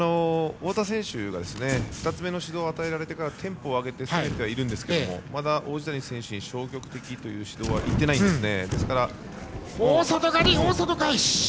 太田選手が２つ目の指導を与えられてからテンポを上げて攻めてはいるんですけれどもまだ王子谷選手に消極的という指導は大外刈り、大外返し。